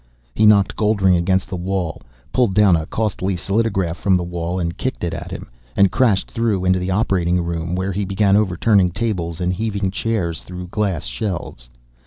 He knocked Goldring against the wall, pulled down a costly solidograph from the wall and kicked it at him, and crashed through into the operating room, where he began overturning tables and heaving chairs through glass shelves.